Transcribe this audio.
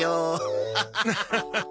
ハハハハハ。